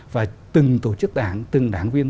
và từng tổ chức đảng từng đảng viên